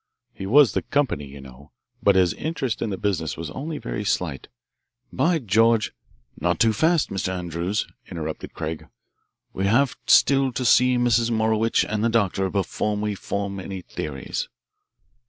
He was the 'company,' you know, but his interest in the business was only very slight. By George " "Not too fast, Mr. Andrews," interrupted Craig. "We have still to see Mrs. Morowitch and the doctor before we form any theories."